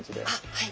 はい。